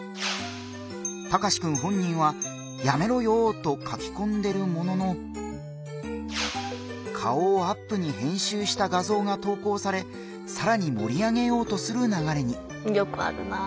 タカシくん本人は「やめろよー」と書きこんでるものの顔をアップに編集した画像が投稿されさらに盛り上げようとするながれに。